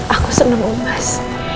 aku senang memas